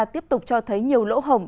tiếp tục cho thấy nhiều lỗ hổng